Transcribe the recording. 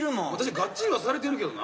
がっちりはされてるけどな。